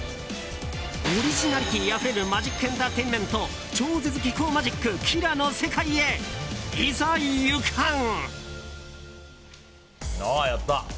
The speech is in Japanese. オリジナリティーあふれるマジックエンターテインメント超絶技巧マジックＫｉＬａの世界へいざ行かん！